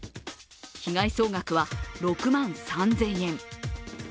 被害総額は６万３０００円。